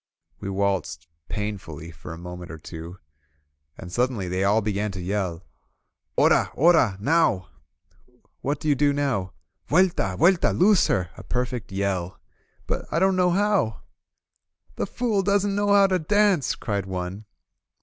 We waltzed painfully for a moment or two, and suddenly they all began to yell: ''Ora! Oral Now!" "What do you do now?" Vueltal Vuelta! Loose her!" a perfect yell. "But I don't know how !" "The fool doesn't know how to dance," cried one.